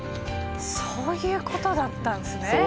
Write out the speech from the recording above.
そういうことだったんすね。